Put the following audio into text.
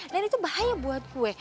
dan itu bahaya buat gue